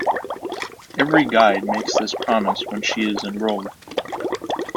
Every Guide makes this promise when she is enrolled.